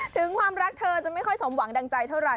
ถึงความรักเธอจะไม่ค่อยสมหวังดังใจเท่าไห